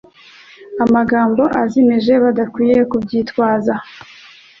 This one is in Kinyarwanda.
amagambo azimije, badakwiye kubyitwaza